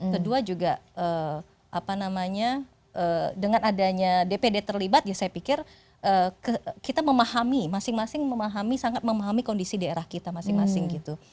kedua juga apa namanya dengan adanya dpd terlibat ya saya pikir kita memahami masing masing memahami sangat memahami kondisi daerah kita masing masing gitu